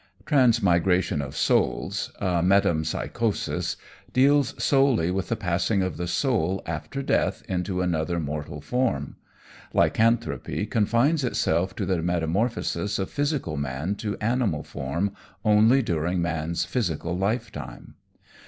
Transmigration of souls, a metempsychosis, deals solely with the passing of the soul after death into another mortal form. Lycanthropy confines itself to the metamorphosis of physical man to animal form only during man's physical lifetime.